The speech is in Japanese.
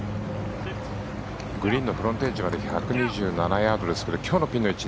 グリーンのフロントエッジまで１２７ヤードですけど今日のピンの位置